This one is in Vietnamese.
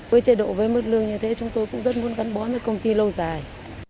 với chế độ với mức lương như thế chúng tôi cũng rất muốn gắn bó với công ty lâu dài